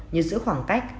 như giữ khoảng cách